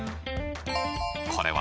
これは？